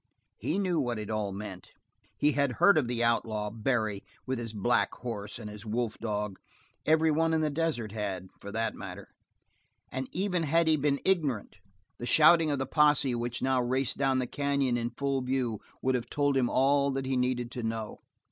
He knew what it all meant. He had heard of the outlaw, Barry, with his black horse and his wolf dog everyone in the desert had, for that matter and even had he been ignorant the shouting of the posse which now raced down the canyon in full view would have told him all that he needed to know.